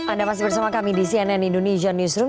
anda masih bersama kami di cnn indonesia newsroom